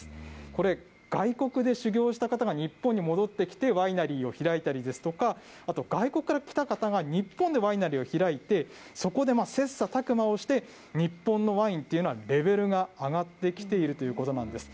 これ、外国で修業した方が日本に戻ってきて、ワイナリーを開いたりですとか、あと、外国から来た方が日本でワイナリーを開いて、そこで切さたく磨をして日本のワインっていうのは、レベルが上がってきているということなんです。